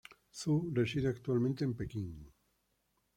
Zou reside actualmente en Pekín.